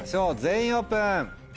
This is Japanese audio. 全員オープン。